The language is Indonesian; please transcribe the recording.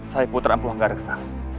saya putra empu hanggareksa